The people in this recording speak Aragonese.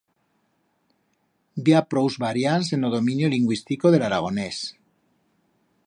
Bi ha prous variants en o dominio lingüistico de l'aragonés.